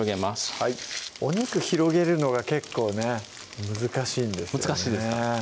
はいお肉広げるのが結構ね難しいんですよね